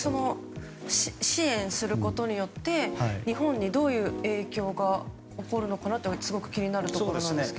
支援することによって日本にどういう影響が起こるのかなというのはすごく気になるところですが。